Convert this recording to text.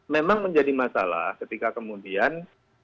memang menjadi masalah ketika kemudian